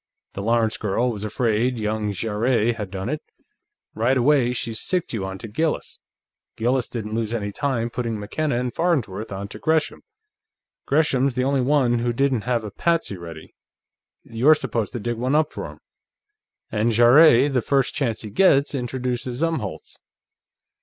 "The Lawrence girl was afraid young Jarrett had done it; right away, she sicced you onto Gillis. Gillis didn't lose any time putting McKenna and Farnsworth onto Gresham. Gresham's the only one who didn't have a patsy ready; you're supposed to dig one up for him. And Jarrett, the first chance he gets, introduces Umholtz."